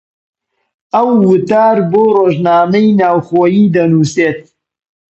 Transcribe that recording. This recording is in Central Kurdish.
ئەو وتار بۆ ڕۆژنامەی ناوخۆیی دەنووسێت.